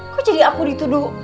kok jadi aku dituduh